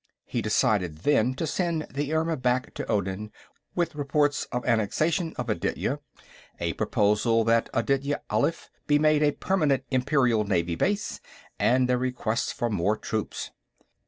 He decided, then, to send the Irma back to Odin with reports of the annexation of Aditya, a proposal that Aditya Alif be made a permanent Imperial naval base, and a request for more troops.